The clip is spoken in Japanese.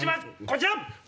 こちら！